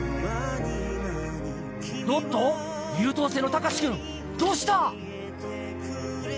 おっと優等生の高志君どうした？